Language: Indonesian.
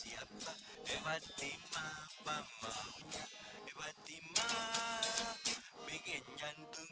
itu tuh si kepala yang kaya kita kita nih baru mengerang tir